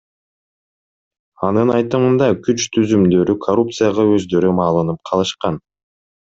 Анын айтымында, күч түзүмдөрү коррупцияга өздөрү малынып калышкан.